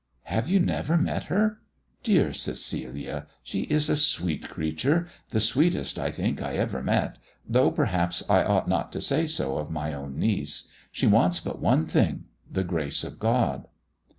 "Have you never met her? Dear Cecilia! She is a sweet creature the sweetest, I think, I ever met, though perhaps I ought not to say so of my own niece. She wants but one thing the grace of God."